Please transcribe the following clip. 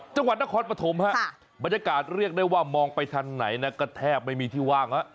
จังหวัดนครปฐมฮะบรรยากาศเรียกได้ว่ามองไปทางไหนนะก็แทบไม่มีที่ว่าง